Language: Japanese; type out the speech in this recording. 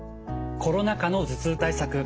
コロナ禍の頭痛対策